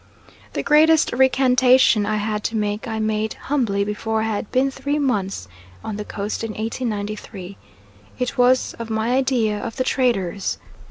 The greatest recantation I had to make I made humbly before I had been three months on the Coast in 1893. It was of my idea of the traders.